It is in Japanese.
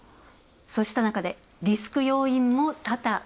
そうしたなか、リスク要因もたた。